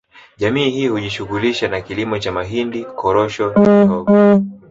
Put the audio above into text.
Jamii hii hujishughulisha na kilimo cha mahindi korosho na mihoho